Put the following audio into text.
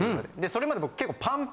それまで僕結構。